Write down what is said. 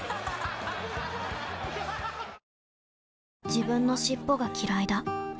自分の尻尾がきらいだ